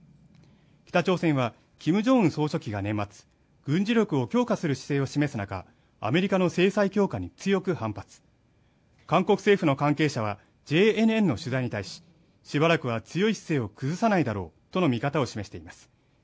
北朝鮮はキム・ジョンウン総書記が年末、軍事力を強化する姿勢を示す中アメリカの制裁強化に強く反発韓国政府の関係者はＪＮＮの取材に対ししばらくは強い姿勢を崩さないだろうとの見方を示しています